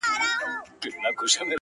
څه لېونۍ شاني گناه مي په سجده کي وکړه،